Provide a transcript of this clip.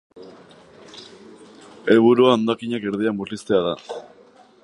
Helburua hondakinak erdira murriztea da.